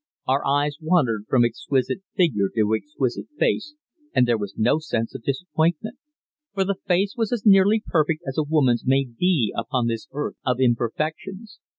Our eyes wandered from exquisite figure to exquisite face and there was no sense of disappointment. For the face was as nearly perfect as a woman's may be upon this earth of imperfections.